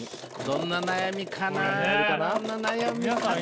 どんな悩みかな？